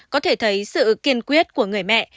có thể thấy sự kiên quyết của người mẹ